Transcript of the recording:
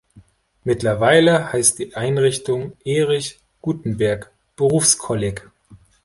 Mittlerweile heißt die Einrichtung Erich-Gutenberg-Berufskolleg.